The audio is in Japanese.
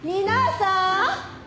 皆さん！